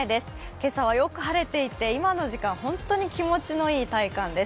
今朝はよく晴れていて、今の時間本当に気持ちのいい体感です。